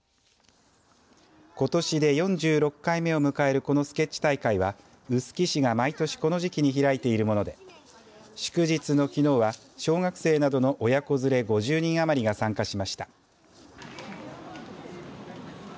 ことしで４６回目を迎えるこのスケッチ大会は臼杵市が毎年この時期に開いているもので祝日のきのうは小学生などの親子連れ５０人余りが参加しました。